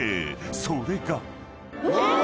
［それが］